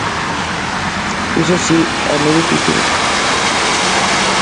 Iso si, é moi difícil.